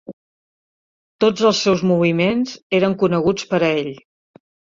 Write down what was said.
Tots els seus moviments eren coneguts per a ell.